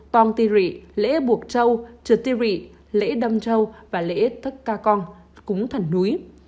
pong tì rị lễ buộc trâu trừ tì rị lễ đâm trâu và lễ tắc cà con cúng thần núi